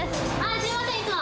すみません、いつも。